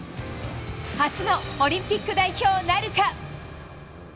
初のオリンピック代表なるか。